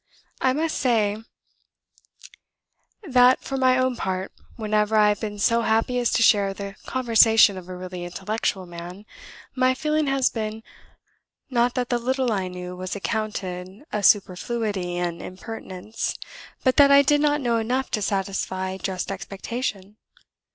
I must say that, for my own part, whenever I have been so happy as to share the conversation of a really intellectual man, my feeling has been, not that the little I knew was accounted a superfluity and impertinence, but that I did not know enough to satisfy just expectation.